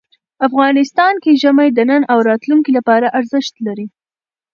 افغانستان کې ژمی د نن او راتلونکي لپاره ارزښت لري.